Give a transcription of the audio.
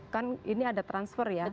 kan ini ada transfer ya